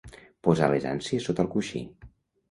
Posar les ànsies sota el coixí.